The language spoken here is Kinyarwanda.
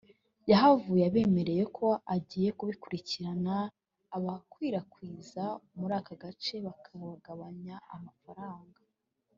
yahavuye abemereye ko agiye kubikurikirana abayakwirakwiza muri aka gace bakagabanya amafaranga